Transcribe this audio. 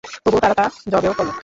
তবুও তারা তা যবেহ্ করল।